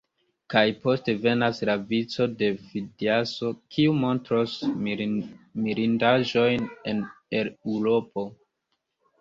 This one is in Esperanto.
Kaj poste venas la vico de Fidiaso, kiu montros mirindaĵojn el Eŭropo.